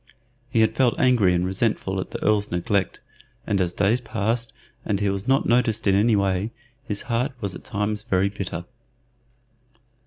He had felt angry and resentful at the Earl's neglect, and as days passed and he was not noticed in any way, his heart was at times very bitter.